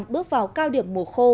bước vào cao điểm mùa khô